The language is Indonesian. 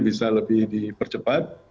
bisa lebih dipercepat